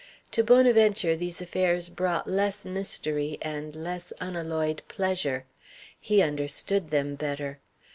To Bonaventure these affairs brought less mystery and less unalloyed pleasure. He understood them better.